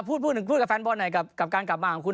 พูดถึงพูดกับแฟนบอลหน่อยกับการกลับมาของคุณ